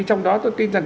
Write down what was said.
trong đó tôi tin rằng